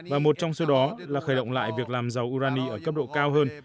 và một trong số đó là khởi động lại việc làm dầu urani ở cấp độ cao hơn